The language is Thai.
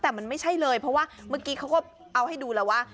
แต่มันไม่ใช่เลยเพราะว่าเมื่อกี้เขาก็เอาให้ดูแล้วว่า